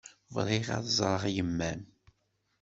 Bɣiɣ ad ẓreɣ yemma-m.